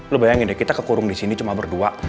lo bayangin deh kita kekurung disini cuma berdua